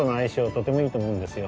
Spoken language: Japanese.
とてもいいと思うんですよ。